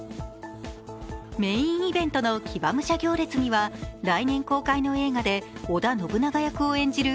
メインイベントの騎馬武者行列には来年公開に映画で織田信長役を演じる